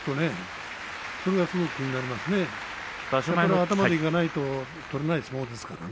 頭でいかないと取れない相撲ですからね。